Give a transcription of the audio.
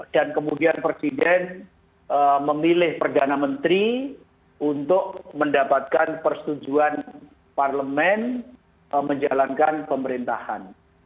dan kemudian presiden memilih perdana menteri untuk mendapatkan persetujuan parlement menjalankan pemerintahan